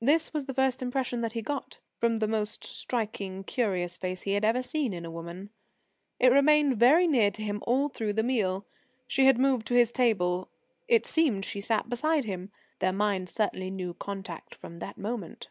This was the first impression that he got from the most striking, curious face he had ever seen in a woman. It remained very near him all through the meal: she had moved to his table, it seemed she sat beside him. Their minds certainly knew contact from that moment.